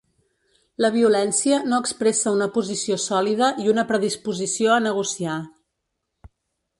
La violència no expressa una posició sòlida i una predisposició a negociar.